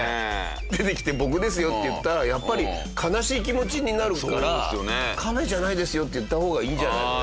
出てきて僕ですよって言ったらやっぱり悲しい気持ちになるからカメじゃないですよって言った方がいいんじゃないの？